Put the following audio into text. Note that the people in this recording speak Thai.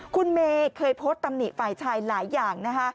คุณเมย์เคยโพสต์ตำหนิฝ่ายชายหลายอย่างนะคะ